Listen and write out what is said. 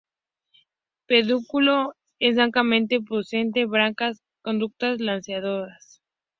Pedúnculo escasamente pubescente; brácteas caducas, lanceoladas.